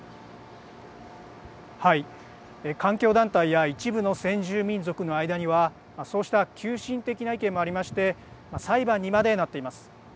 環境団体や一部の先住民族の間にはそうした急進的な意見もありまして裁判にまでなっています。